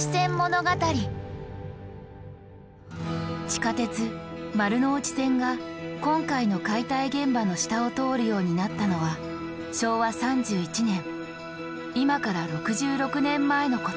地下鉄・丸ノ内線が今回の解体現場の下を通るようになったのは昭和３１年今から６６年前のこと。